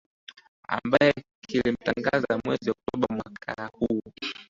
ambae kilimtangaza mwezi oktoba mwaka huu